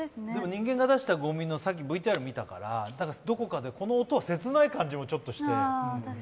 人間が出したごみの、さっきＶＴＲ見たから、どこかで、この音は切ない感じもちょっとして。